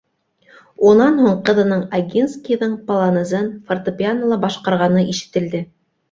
Унан һуң ҡыҙының Огинскийҙың «Полонез»ын форте- пианола башҡарғаны ишетелде.